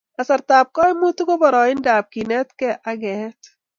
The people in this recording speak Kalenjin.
Kasartap koimutik ko poroindap kenetkey ak keet